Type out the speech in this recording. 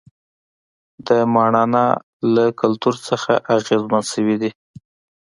د ماڼانا له کلتور څخه اغېزمن شوي دي.